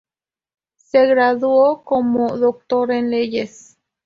Se graduó como doctor en Leyes.